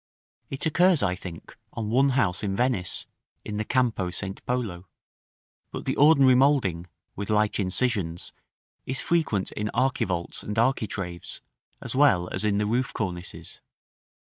It occurs, I think, on one house in Venice, in the Campo St. Polo; but the ordinary moulding, with light incisions, is frequent in archivolts and architraves, as well as in the roof cornices.